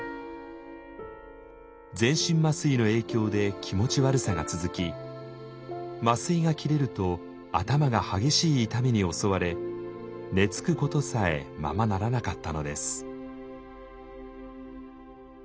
全身麻酔の影響で気持ち悪さが続き麻酔が切れると頭が激しい痛みに襲われ寝つくことさえままならなかったのです。